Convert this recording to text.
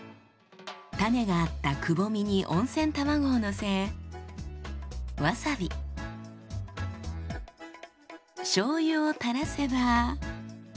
種があったくぼみに温泉卵をのせわさびしょうゆをたらせば。